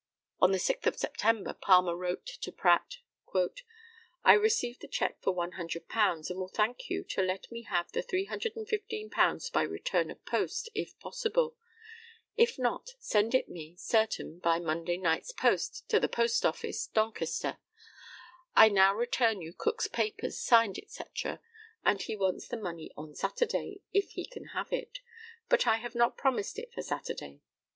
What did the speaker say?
On the 6th of September Palmer wrote to Pratt: "I received the cheque for the £100, and will thank you to let me have the £315 by return of post, if possible; if not, send it me (certain) by Monday night's post to the Post office, Doncaster. I now return you Cook's papers signed &c., and he wants the money on Saturday, if he can have it; but I have not promised it for Saturday.